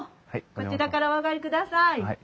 こちらからお上がりください。